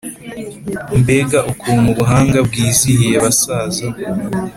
Mbega ukuntu ubuhanga bwizihiye abasaza,